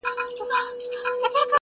مونږه پښتانه درته جولۍ نيسو